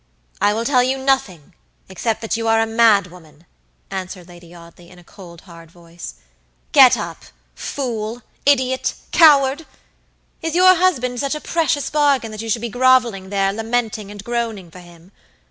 "I will tell you nothing, except that you are a mad woman," answered Lady Audley; in a cold, hard voice. "Get up; fool, idiot, coward! Is your husband such a precious bargain that you should be groveling there, lamenting and groaning for him?